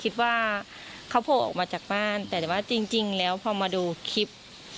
คิดว่าเขาโผล่ออกมาจากบ้านแต่ว่าจริงแล้วพอมาดูคลิป